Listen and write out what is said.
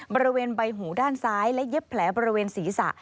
บริเวณใบหูด้านซ้ายและเย็บแผลบริเวณศีรษะ